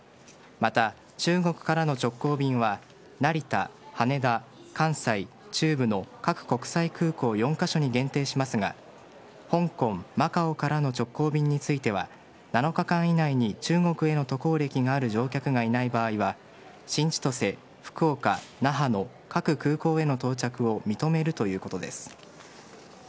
また、中国からの直行便は成田、羽田、関西、中部の各国際空港４カ所に限定しますが香港、マカオからの直行便については７日間以内に中国への渡航歴がある乗客がいない場合は新千歳、福岡、那覇の各空港への到着を認めるということです。